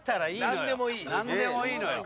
何でもいいのよ。